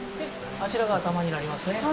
あちらが頭になりますね。